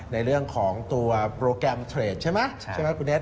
ในเรื่องของตัวโปรแกรมเทรดใช่ไหมใช่ไหมคุณเอส